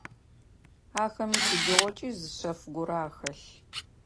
Ахэмэ сыдигъокӏи зы шъэф горэ ахэлъ.